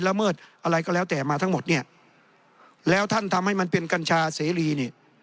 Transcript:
เมิดอะไรก็แล้วแต่มาทั้งหมดเนี่ยแล้วท่านทำให้มันเป็นกัญชาเสรีเนี่ย